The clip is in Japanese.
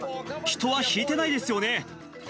人はひいてないですよね。